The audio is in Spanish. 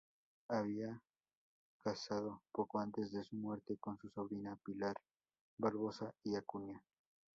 Había casado poco antes de su muerte con su sobrina Pilar Barbosa y Acuña.